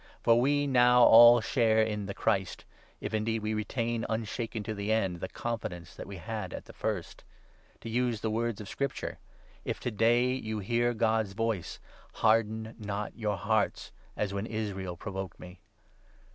For we now all share in the Christ, if indeed we retain, unshaken to the end, the confidence that we had at the first. To use the words of Scripture —' If to day you hear God's voice, Harden not your hearts, as when Israel provoked me.'